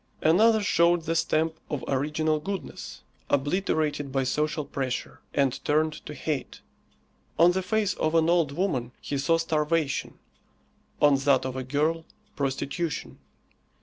Another showed the stamp of original goodness, obliterated by social pressure, and turned to hate. On the face of an old woman he saw starvation; on that of a girl, prostitution.